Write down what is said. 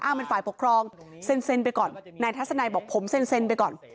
เป็นฝ่ายปกครองเซ็นไปก่อนนายทัศนัยบอกผมเซ็นไปก่อน